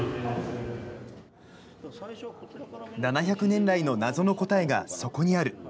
７００年来の謎の答えがそこにある。